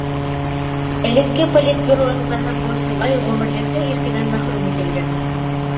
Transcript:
Элекке Политбюро ағзаһы Бо Силай ғүмерлеккә иркенән мәхрүм ителгән.